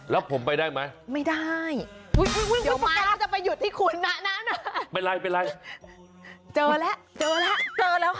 และบริสุทธิ์